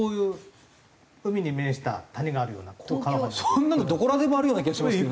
そんなのどこらでもあるような気がしますけどね。